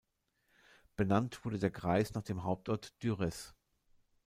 Benannt wurde der Kreis nach dem Hauptort Durrës.